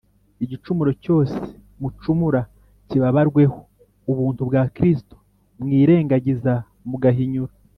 Igicumuro cyose mucumura kibabarweho. ubuntu bwa Kristo mwirengagiza mugahinyura